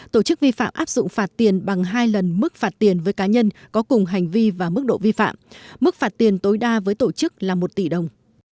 tổ chức vi phạm áp dụng phạt tiền bằng hai lần mức phạt tiền với cá nhân có cùng hành vi và mức độ vi phạm mức phạt tiền tối đa với tổ chức là một tỷ đồng